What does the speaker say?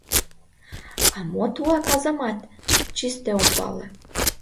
А мо тугай казамат — чисте ом пале.